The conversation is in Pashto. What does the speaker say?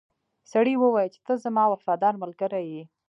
سړي وویل چې ته زما وفادار ملګری یې.